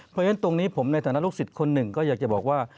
เพราะฉะนั้นตรงนี้ผมในฐานะลูกศิษย์คนหนึ่งก็อยากจะบอกว่า